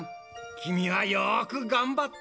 きみはよくがんばった。